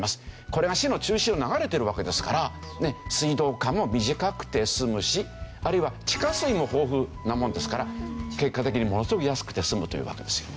これが市の中心を流れてるわけですから水道管も短くて済むしあるいは地下水も豊富なものですから結果的にものすごく安くて済むというわけですよ。